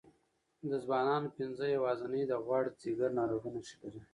د ځوانانو پنځه یوازینۍ د غوړ ځیګر ناروغۍ نښې لري.